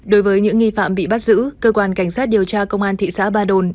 đối với những nghi phạm bị bắt giữ cơ quan cảnh sát điều tra công an thị xã ba đồn